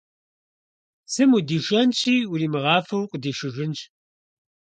Псым удишэнщи, уримыгъафэу укъыдишыжынщ.